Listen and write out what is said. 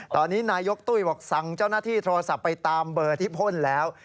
ตอนนี้นายกตุ้ยบอกสั่งเจ้าหน้าที่โทรศัพท์ไปตามเบอร์ที่พ่นแล้ว